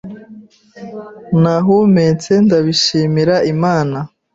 nahumetse ndabishimira Imana